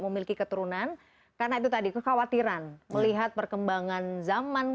memiliki keturunan karena itu tadi kekhawatiran melihat perkembangan zaman